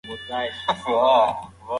آیا شریف به نن خپل معاش واخلي؟